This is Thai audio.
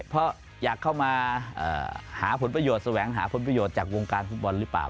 เพราะอยากเข้ามาหาผลประโยชน์แสวงหาผลประโยชน์จากวงการฟุตบอลหรือเปล่า